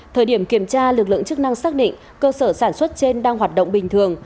thời điểm kiểm tra lực lượng chức năng xác định cơ sở sản xuất trên đang hoạt động bình thường